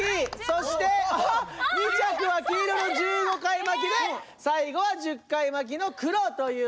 そしてあっ２着は黄色の１５回巻きで最後は１０回巻きの黒という事でした。